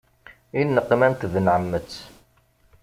I neqma n tbenɛemmet.